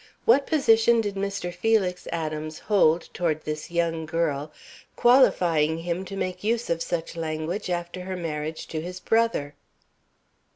What position did Mr. Felix Adams hold toward this young girl qualifying him to make use of such language after her marriage to his brother?